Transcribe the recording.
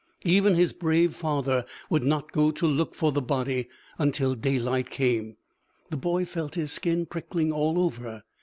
Even his brave father would not go to look for the body until daylight came. The boy felt his skin prickling all over.